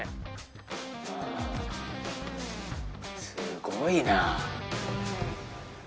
すごいな。